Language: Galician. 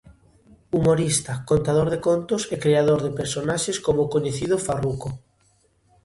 Humorista, contador de contos e creador de personaxes como o coñecido Farruco.